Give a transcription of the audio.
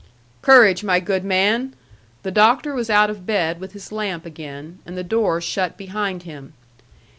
"Courage, my good man." The Doctor was out of bed with his lamp again, and the door shut behind him.